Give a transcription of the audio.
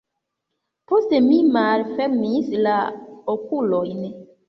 Poste mi malfermis la okulojn.